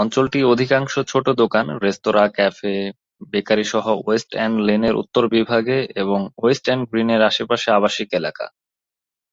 অঞ্চলটি অধিকাংশ ছোট দোকান, রেস্তোঁরা, ক্যাফে, বেকারি সহ ওয়েস্ট এন্ড লেনের উত্তর বিভাগে এবং ওয়েস্ট এন্ড গ্রিনের আশেপাশে আবাসিক এলাকা।